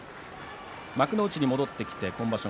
幕内に戻ってきて今場所